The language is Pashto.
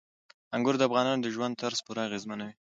انګور د افغانانو د ژوند طرز پوره اغېزمنوي.